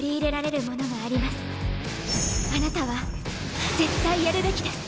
あなたは絶対やるべきです。